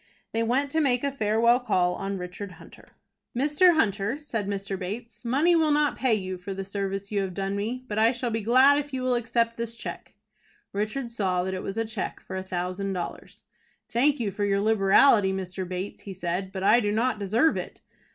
They went to make a farewell call on Richard Hunter. "Mr. Hunter," said Mr. Bates, "money will not pay you for the service you have done me, but I shall be glad if you will accept this cheque." Richard saw that it was a cheque for a thousand dollars. "Thank you for your liberality, Mr. Bates" he said; "but I do not deserve it."